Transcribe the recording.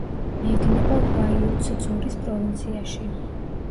მიედინება ვაიოცძორის პროვინციაში.